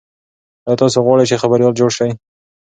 ایا تاسي غواړئ چې خبریال جوړ شئ؟